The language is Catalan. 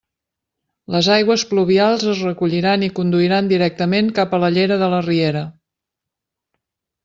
Les aigües pluvials es recolliran i conduiran directament cap a la llera de la riera.